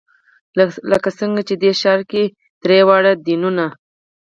لکه څنګه چې دې ښار کې درې واړه دینونه.